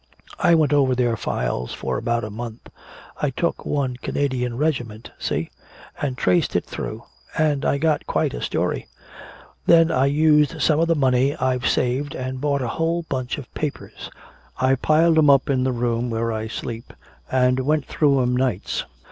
I went over their files for about a month. I took one Canadian regiment see? and traced it through, and I got quite a story. Then I used some of the money I've saved and bought a whole bunch of papers. I piled 'em up in the room where I sleep and went through 'em nights.